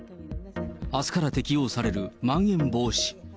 あすから適用されるまん延防止。